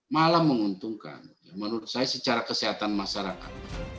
malah menguntungkan menurut saya secara kesehatan masyarakat